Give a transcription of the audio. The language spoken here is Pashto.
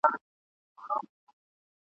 هر سړی به په خپل کار پسي روان وای !.